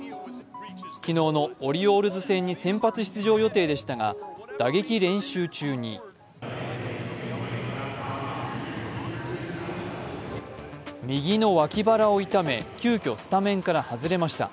昨日のオリオールズ戦に先発出場予定でしたが打撃練習中に右の脇腹を痛め、急きょスタメンから外れました。